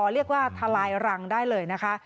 เรียกว่าทลายรังได้เลยนะคะ